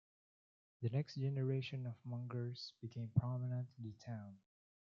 The next generation of Mungers became prominent in the town.